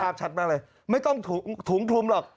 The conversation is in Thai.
ชัดมากเลยไม่ต้องถุงคลุมหรอก